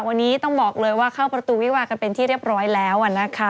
วันนี้ต้องบอกเลยว่าเข้าประตูวิวากันเป็นที่เรียบร้อยแล้วนะคะ